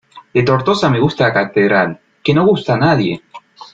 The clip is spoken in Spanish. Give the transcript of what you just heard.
De Tortosa me gusta la catedral, ¡que no gusta a nadie!